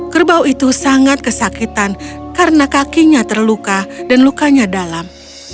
kerbau itu sangat kesakitan karena kakinya terluka dan lukanya dalam